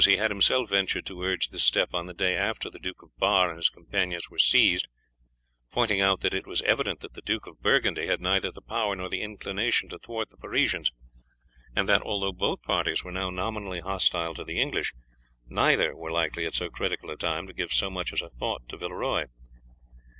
He had himself ventured to urge this step on the day after the Duke of Bar and his companions were seized, pointing out that it was evident that the Duke of Burgundy had neither the power nor the inclination to thwart the Parisians, and that although both parties were now nominally hostile to the English, neither were likely, at so critical a time, to give so much as a thought to Villeroy.